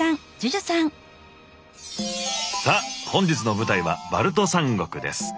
さあ本日の舞台はバルト三国です。